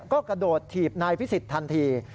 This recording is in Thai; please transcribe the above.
ก็กระโดดถีบนายพิสิทธิทันที